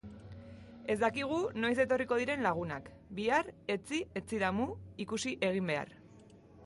Ez dakigu noiz etorriko diren lagunak! Bihar, etzi, etzidamu... ikusi egin behar!